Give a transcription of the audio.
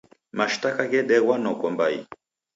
Mashtaka ghedeghwa noko mbai.